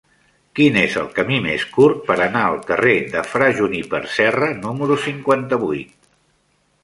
Quin és el camí més curt per anar al carrer de Fra Juníper Serra número cinquanta-vuit?